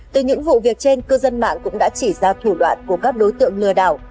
từ những vụ việc trên cư dân mạng cũng đã chỉ ra thủ đoạn của các đối tượng lừa đảo